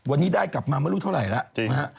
วันนี้ได้กลับมาไม่รู้เท่าไหร่แล้วนะฮะ